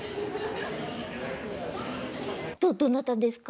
どどなたですか？